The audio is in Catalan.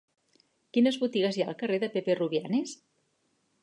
Quines botigues hi ha al carrer de Pepe Rubianes?